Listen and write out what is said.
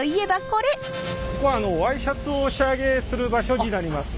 ここはワイシャツをお仕上げする場所になります。